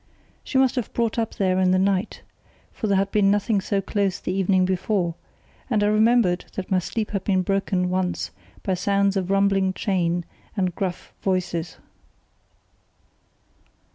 She must have brought up there in the night, for there had been nothing so close the evening before; and I remembered that my sleep had been broken once by sounds of rumbling chain and gruff voices.